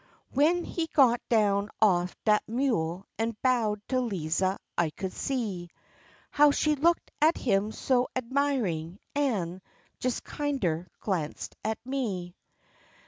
W'en he got down off dat mule an' bowed to Liza I could see How she looked at him so 'dmirin', an' jes kinder glanced at me.